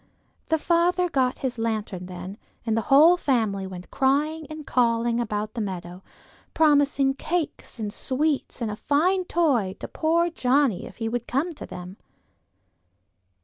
The father got his lantern then, and the whole family went crying and calling about the meadow, promising cakes and sweets and a fine toy to poor Johnnie if he would come to them.